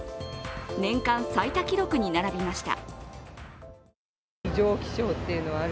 年間最多記録に並びました。